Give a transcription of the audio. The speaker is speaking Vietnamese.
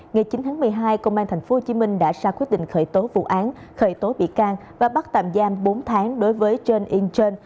ngày chín tháng một mươi hai công an tp hcm đã ra quyết định khởi tối vụ án khởi tối bị cao và bắt tạm giam bốn tháng đối với trên yên trên